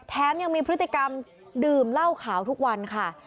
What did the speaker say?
ยังมีพฤติกรรมดื่มเหล้าขาวทุกวันค่ะ